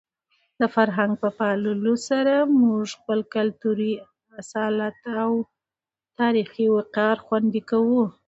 د فرهنګ په پاللو سره موږ خپل کلتوري اصالت او تاریخي وقار خوندي کوو.